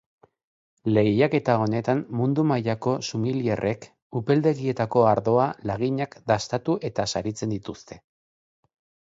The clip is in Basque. Lehiaketa honetan mundu mailako sumilierrek upeldegietako ardoa laginak dastatu eta saritzen dituzte.